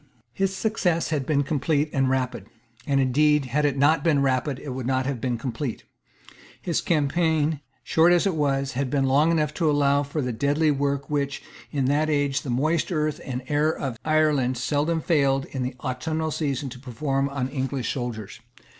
His success had been complete and rapid; and indeed, had it not been rapid, it would not have been complete. His campaign, short as it was, had been long enough to allow time for the deadly work which, in that age, the moist earth and air of Ireland seldom failed, in the autumnal season, to perform on English soldiers.